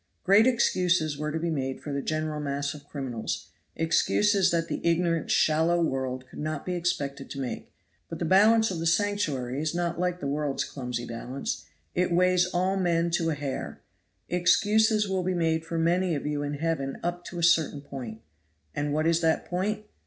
Great excuses were to be made for the general mass of criminals; excuses that the ignorant, shallow world could not be expected to make; but the balance of the Sanctuary is not like the world's clumsy balance; it weighs all men to a hair. Excuses will be made for many of you in heaven up to a certain point. And what is that point?